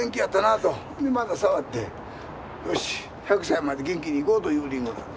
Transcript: でまた触ってよし１００歳まで元気にいこうというりんごなんです。